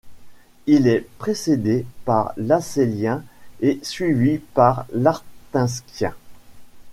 Il est précédé par l'Assélien et suivi par l'Artinskien.